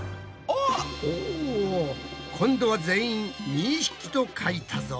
お今度は全員２匹と書いたぞ。